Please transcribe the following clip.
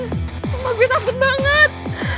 sumpah gue takut banget